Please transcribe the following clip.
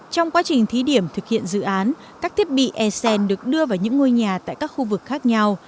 trong quá trình thí điểm thực hiện dự án các thiết bị esen được đưa vào những ngôi nhà tại các khu vực khác nhau